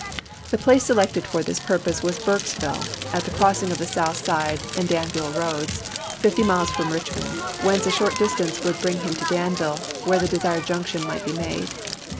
The place selected for this purpose was Burke ville, at the crossing of the South Side and Danville roads, fifty miles from Richmond, whence a short distance would bring him to Danville, where the desired junction might be made.